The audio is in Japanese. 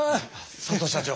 佐藤社長！